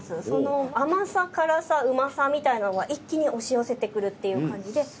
その甘さ辛さうまさみたいなのが一気に押し寄せてくるっていう感じで。